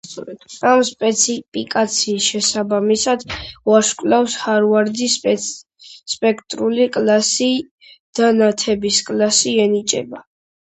ამ სპეციფიკაციის შესაბამისად ვარსკვლავს ჰარვარდის სპექტრული კლასი და ნათების კლასი ენიჭება.